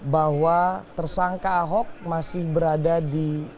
bahwa tersangka ahok masih berada di